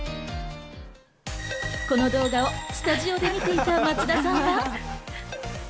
この動画をスタジオで見ていた松田さんは。